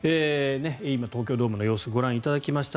今、東京ドームの様子ご覧いただきました。